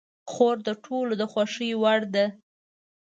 خور د ټولو د خوښې وړ ده.